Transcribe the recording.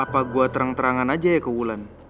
apa gue terang terangan aja ya ke wulan